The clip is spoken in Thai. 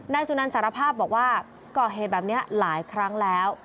สุนันสารภาพบอกว่าก่อเหตุแบบนี้หลายครั้งแล้ว